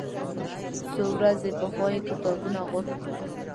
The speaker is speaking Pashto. څو ورځې پخوا یې کتابونه غوښتي و.